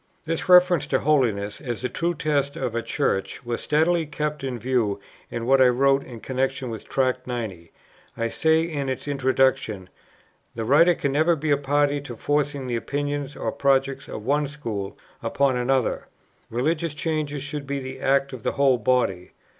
This reference to Holiness as the true test of a Church was steadily kept in view in what I wrote in connexion with Tract 90. I say in its Introduction, "The writer can never be party to forcing the opinions or projects of one school upon another; religious changes should be the act of the whole body.